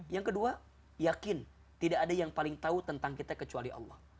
yang kedua yakin tidak ada yang paling tahu tentang kita kecuali allah